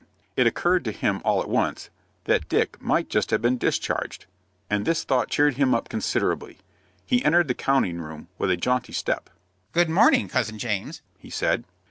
It occurred to him all at once that Dick might just have been discharged, and this thought cheered him up considerably. He entered the counting room with a jaunty step. "Good morning, Cousin James," he said.